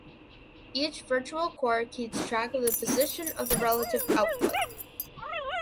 Each virtual core keeps track of the position of the relative output.